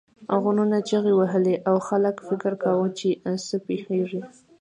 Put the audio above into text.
غرونو چیغې وهلې او خلک فکر کاوه چې څه پیښیږي.